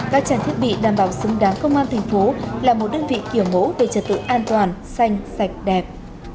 các trang thiết bị đảm bảo xứng đáng công an thành phố là một đơn vị kiểu mẫu về trật tự an toàn xanh sạch đẹp